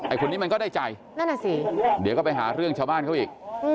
คนนี้มันก็ได้ใจนั่นน่ะสิเดี๋ยวก็ไปหาเรื่องชาวบ้านเขาอีก